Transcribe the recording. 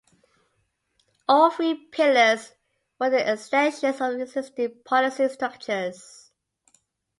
All three pillars were the extensions of existing policy structures.